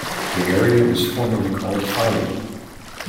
The area was formerly called Filo.